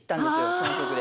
この曲で。